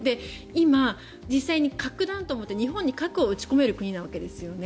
今、実際に核弾頭を持って日本に核を撃ち込める国のわけですよね。